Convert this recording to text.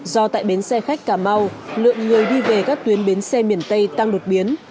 do tại bến xe khách cà mau lượng người đi về các tuyến bến xe miền tây tăng đột biến